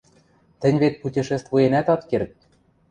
Тӹнь вет путешествуенӓт ат керд...